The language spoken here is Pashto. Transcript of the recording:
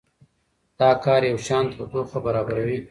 دا کار یوشان تودوخه برابروي.